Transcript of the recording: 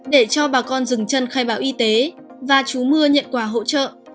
để cho bà con dừng chân khai báo y tế và chú mưa nhận quà hỗ trợ